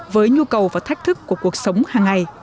với nhu cầu và thách thức của cuộc sống hàng ngày